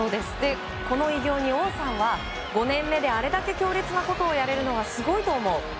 この偉業に王さんは５年目であれだけ強烈なことをやれるのはすごいと思う。